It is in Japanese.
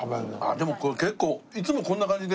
でも結構いつもこんな感じで。